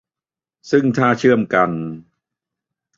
ซึ่งถ้าเชื่อมกัน